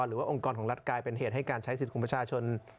องค์กรของรัฐกลายเป็นเหตุให้การใช้สิทธิ์ของประชาชน